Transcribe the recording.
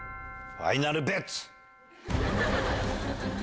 ファイナルベッツ！